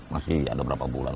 masih ada beberapa bulan